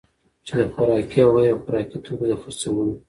چي د خوراکي او غیر خوراکي توکو دخرڅولو